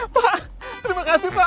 pak terima kasih pak